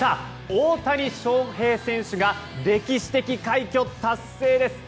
大谷翔平選手が歴史的快挙達成です。